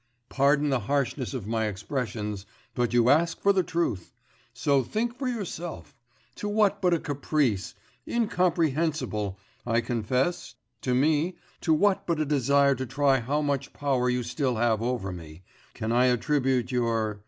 Pardon the harshness of my expressions, but you ask for the truth so think for yourself: to what but a caprice incomprehensible, I confess, to me to what but a desire to try how much power you still have over me, can I attribute your